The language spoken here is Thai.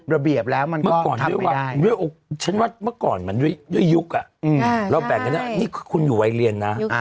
ระเบียบแล้วมันก็ทำไม่ได้เมื่อก่อนด้วยว่าเมื่อก่อนเหมือนด้วยยุคอ่ะอืมอ่าใช่เราแบ่งกันนะนี่คือคุณอยู่วัยเรียนน่ะอ่า